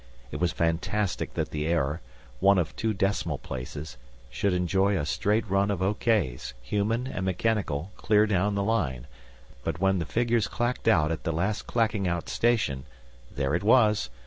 It was fantastic that the error one of two decimal places should enjoy a straight run of okays, human and mechanical, clear down the line; but when the figures clacked out at the last clacking out station, there it was.